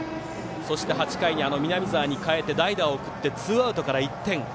８回に南澤に代えて代打を送ってツーアウトから１点。